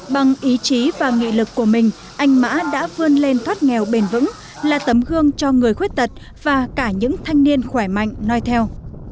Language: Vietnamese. bằng ý chí và nghị lực của mình anh mã đã vươn lên thoát nghèo bền vững là tấm gương cho người khuyết tật và cả những thanh niên khỏe mạnh nói theo